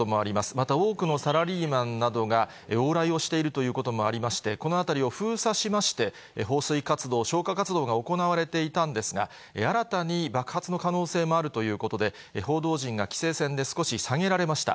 また多くのサラリーマンなどが往来をしているということもありまして、この辺りを封鎖しまして、放水活動、消火活動が行われていたんですが、新たに爆発の可能性もあるということで、報道陣が規制線で少し下げられました。